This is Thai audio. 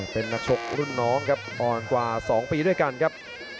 เป็นนักชกรุ่นน้องครับอ่อนกว่า๒ปีด้วยกันครับ